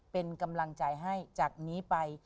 เป็นกำลังใจให้จากนี้ไป